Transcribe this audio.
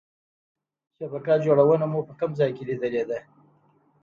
شبکه جوړونه مو په کوم ځای کې لیدلې ده؟